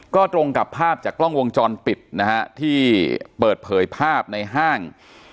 ก็ตรงกับภาพจากกล้องวงจรปิดนะฮะที่เปิดเผยภาพในห้าง